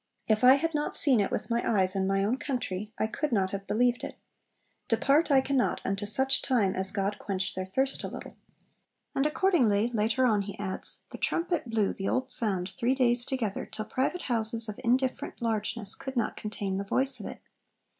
If I had not seen it with my eyes in my own country, I could not have believed it. Depart I cannot, unto such time as God quench their thirst a little.' And accordingly later on he adds, 'The trumpet blew the old sound three days together, till private houses of indifferent largeness could not contain the voice of it.